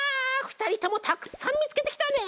ふたりともたくさんみつけてきたね！